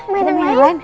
kita main yang lain